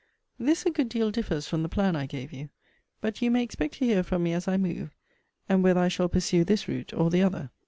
This a good deal differs from the plan I gave you. But you may expect to hear from me as I move; and whether I shall pursue this route or the other.